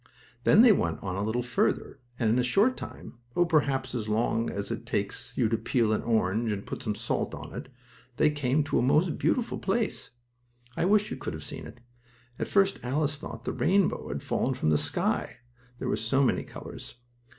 Then they went on a little farther, and, in a short time, oh, perhaps about as long as it takes you to peel an orange, and put some salt on it, they came to a most beautiful place. I wish you could have seen it! At first Alice thought the rainbow had fallen from the sky, there were so many colors.